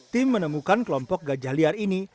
tim menemukan kelompok gajah liar ini